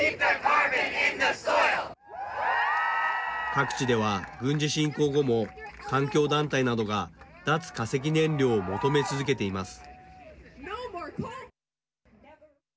各地では軍事侵攻後も環境団体などが脱・化石燃料を求め続けています。